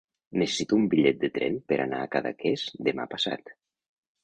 Necessito un bitllet de tren per anar a Cadaqués demà passat.